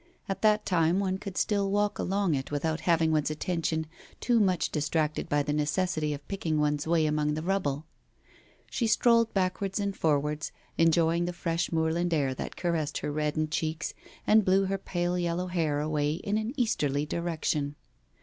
At that time one could still walk along it without having one's attention too much distracted by the necessity of picking one's way among the rubble. She strolled backwards and forwards, enjoying the fresh moorland air that caressed her reddened cheeks and blew her pale yellow hair away in an easterly direction.